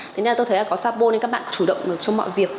thế nên tôi thấy có sabo nên các bạn chủ động được trong mọi việc